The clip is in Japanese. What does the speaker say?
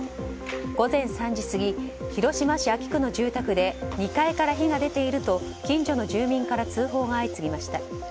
午前３時過ぎ広島市安芸区の住宅で２階から火が出ていると近所の住民から通報が相次ぎました。